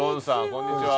こんにちは。